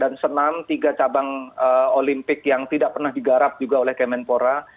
dan senam tiga cabang olimpik yang tidak pernah digarap juga oleh kemenpora